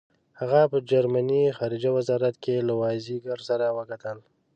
هغه په جرمني خارجه وزارت کې له وایزیکر سره وکتل.